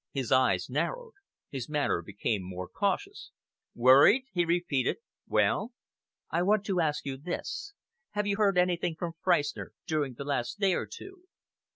His eyes narrowed. His manner became more cautious. "Worried?" he repeated. "Well?" "I want to ask you this: have you heard anything from Freistner during the last day or two?"